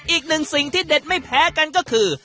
อีกหนึ่งสิ่งที่เด็ดไม่แพ้กันก็คือ